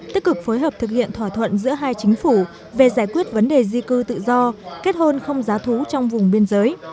tích cực phối hợp thực hiện thỏa thuận giữa hai chính phủ về giải quyết vấn đề di cư tự do kết hôn không giá thú trong vùng biên giới